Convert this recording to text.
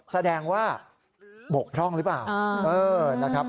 แสดงว่าบกพร่องหรือเปล่านะครับ